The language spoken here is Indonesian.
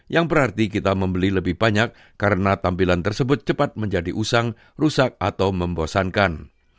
yang berarti kita membeli lebih banyak karena tampilan tersebut cepat menjadi usang rusak atau membosankan